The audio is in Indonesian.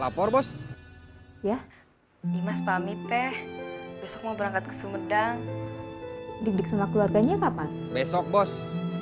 lapor bos ya dimas pamit teh besok mau berangkat ke sumedang didik sama keluarganya kapan besok bos